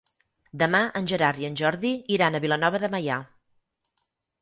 Demà en Gerard i en Jordi iran a Vilanova de Meià.